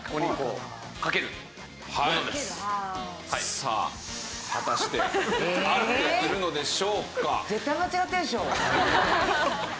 さあ果たして合っているのでしょうか？